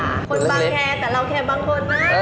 คนบังแครแต่เราแครบังคนนะ